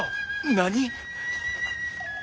何？